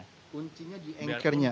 kuncinya di anchornya